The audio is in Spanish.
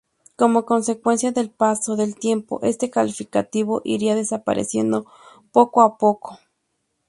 Como consecuencia del paso del tiempo, este calificativo iría desapareciendo poco a poco.